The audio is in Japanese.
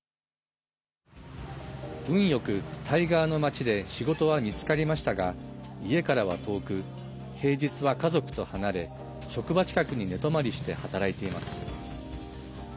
運よく、タイ側の町で仕事は見つかりましたが家からは遠く、平日は家族と離れ職場近くに寝泊まりして働いています。